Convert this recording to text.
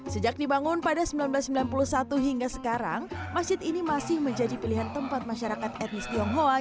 sejak dibangun pada seribu sembilan ratus sembilan puluh satu hingga sekarang masjid ini masih menjadi pilihan tempat masyarakat etnis tionghoa